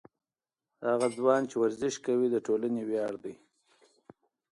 هغه ځوان چې ورزش کوي، د ټولنې ویاړ دی.